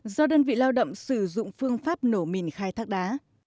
do đơn vị lao động sử dụng phương pháp nổ mìn khai thác đá